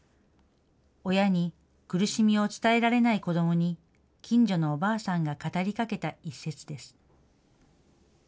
親に苦しみを伝えられない子どもに、近所のおばあさんが語りかけた一節です。